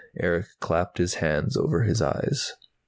Erick clapped his hands over his eyes.